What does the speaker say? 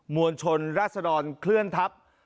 วลชนราศดรเคลื่อนทัพ